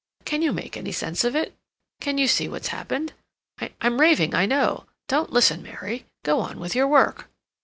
Can you make any sense of it? Can you see what's happened? I'm raving, I know; don't listen, Mary; go on with your work."